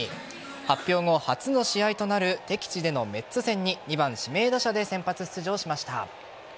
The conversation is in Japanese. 発表後初の試合となる敵地でのメッツ戦に２番・指名打者で先発出場しました。